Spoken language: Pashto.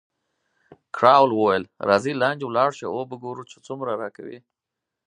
کراول وویل، راځئ لاندې ولاړ شو او وو به ګورو چې څومره راکوي.